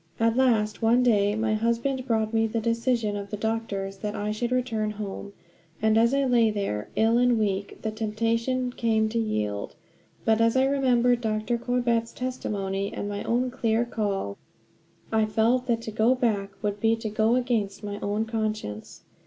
At last, one day my husband brought me the decision of the doctors, that I should return home. And as I lay there ill and weak, the temptation came to yield. But, as I remembered Dr. Corbett's testimony, and my own clear call, I felt that to go back would be to go against my own conscience.